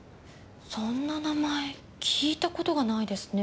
そんな名前聞いた事がないですね。